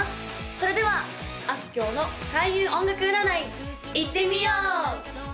それではあすきょうの開運音楽占いいってみよう！